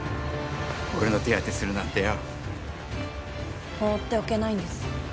俺の手当てするなんてよ放っておけないんです